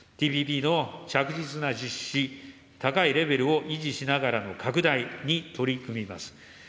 ＴＰＰの着実な実施、高いレベルを維持しながらの拡大に取り組みます。